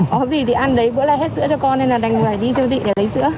có gì thì ăn đấy bữa nay hết sữa cho con nên là đành về đi siêu thị để lấy sữa